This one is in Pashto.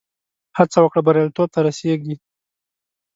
هڅه وکړه، بریالیتوب ته رسېږې.